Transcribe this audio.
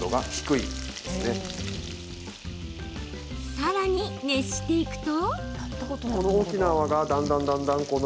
さらに熱していくと。